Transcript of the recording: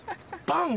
パン！